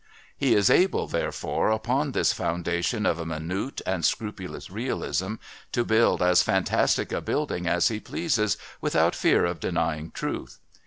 He is able, therefore, upon this foundation of a minute and scrupulous realism to build as fantastic a building as he pleases without fear of denying Truth.